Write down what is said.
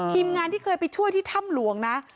ทีมงานที่เคยไปช่วยที่ถ้ำหลวงนะ